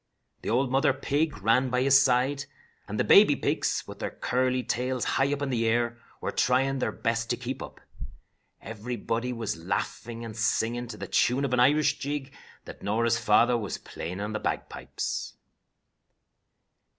The old mother pig ran by his side, and the baby pigs, with their curly tails high up in the air, were trying their best to keep up. Everybody was laughing and singing to the tune of an Irish jig that Norah's father was playing on the bagpipes.